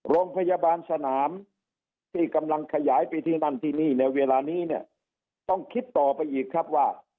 โรงพยาบาลสนามที่กำลังขยายไปที่นั่นที่นี่ในเวลานี้เนี่ยต้องคิดต่อไปอีกครับว่า